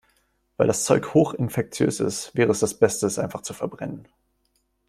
Weil das Zeug hoch infektiös ist, wäre es das Beste, es einfach zu verbrennen.